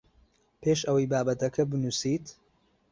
پێش ئەوەی بابەتەکەت بنووسیت